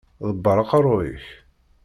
Ḍebber aqeṛṛu-k!